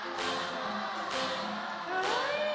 かわいい。